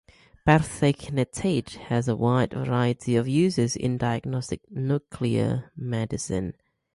Pertechnetate has a wide variety of uses in diagnostic nuclear medicine.